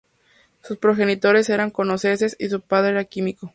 Sus progenitores eran escoceses y su padre era químico.